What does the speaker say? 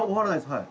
はい。